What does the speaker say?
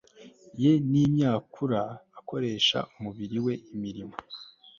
ye nimyakura akoresha umubiri we imirimo